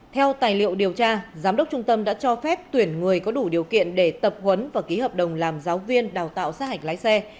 theo tài liệu điều tra giám đốc trung tâm đã cho phép tuyển người có đủ điều kiện để tập huấn và ký hợp đồng làm giáo viên đào tạo sát hạch lái xe